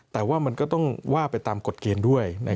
แต่ว่ามันก็ต้องว่าไปตามกฎเกณฑ์ด้วย